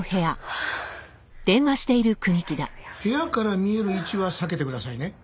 部屋から見える位置は避けてくださいね。